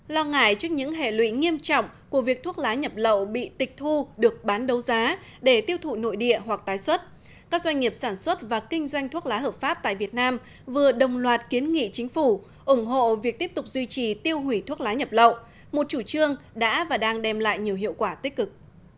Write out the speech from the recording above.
lo ngại trước những hệ lụy nghiêm trọng của việc thuốc lá nhập lậu bị tịch thu được bán đấu giá để tiêu thụ nội địa hoặc tái xuất các doanh nghiệp sản xuất và kinh doanh thuốc lá hợp pháp tại việt nam vừa đồng loạt kiến nghị chính phủ ủng hộ việc tiếp tục duy trì tiêu hủy thuốc lá nhập lậu một chủ trương đã và đang đem lại nhiều hiệu quả tích cực